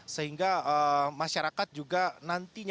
sehingga masyarakat juga nantinya